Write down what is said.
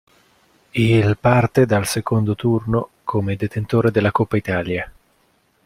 Il parte dal Secondo Turno come detentore della Coppa Italia.